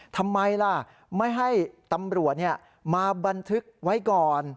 ทำไมล่ะไม่ให้ตำรวจมาบันทึกไว้ก่อน